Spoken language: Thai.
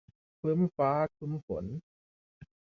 ครึ้มฟ้าครึ้มฝน